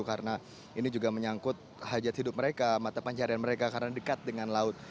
karena ini juga menyangkut hajat hidup mereka mata pancarian mereka karena dekat dengan laut